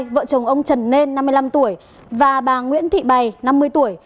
vợ chồng ông trần nên năm mươi năm tuổi và bà nguyễn thị bày năm mươi tuổi